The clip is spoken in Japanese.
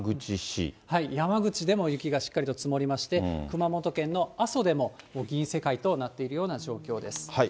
山口でも雪がしっかりと積もりまして、熊本県の阿蘇でも銀世界となっているような状況です。